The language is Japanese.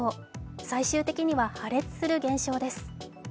最終的には破裂する現象です。